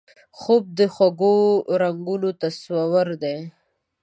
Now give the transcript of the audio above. خوب د خوږو رنګونو تصور دی